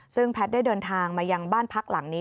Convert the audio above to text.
ซึ่งแพทย์ได้เดินทางมายังบ้านพักหลังนี้